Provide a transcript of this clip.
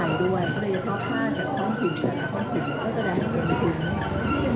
ดังนั้นนี่คือสิ่งที่เราอยากขอบคุณคุณคุณ